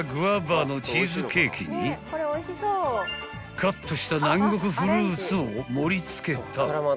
［カットした南国フルーツを盛り付けた］